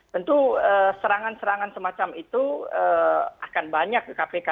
tentu serangan serangan semacam itu akan banyak ke kpk